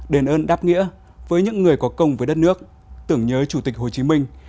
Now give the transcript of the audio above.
đền ơn đáp nghĩa với những người có công với đất nước tưởng nhớ chủ tịch hồ chí minh